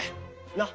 なっ？